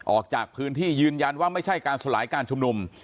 ออกจากพื้นที่ยืนยันว่าไม่ใช่การสลายการชุมนุม